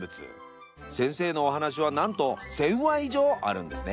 先生のお話はなんと１，０００話以上あるんですね。